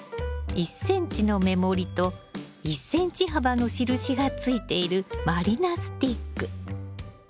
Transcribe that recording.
１ｃｍの目盛りと１ｃｍ幅の印がついている満里奈スティック。